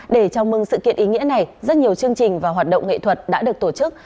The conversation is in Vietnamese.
để chào mừng sự kiện ý nghĩa này rất nhiều chương trình và hoạt động nghệ thuật đã được tổ chức